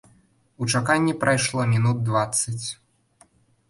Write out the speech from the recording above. У чаканні прайшло мінут дваццаць.